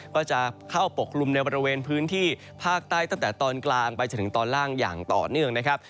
ก็จะเข้าปกกลุ่มในบริเวณพื้นที่ภาคใต้ตั้งแต่ตอนกลางไปจนถึงตอนล่างอย่างต่อเนื่องนะครับ